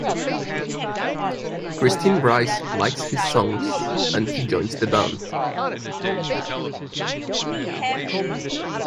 Christine Brice likes his songs, and he joins the band.